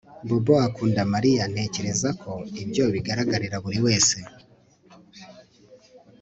Bobo akunda Mariya Ntekereza ko ibyo bigaragarira buri wese